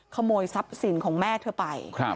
ขโมยทรัพย์สินของแม่เธอไป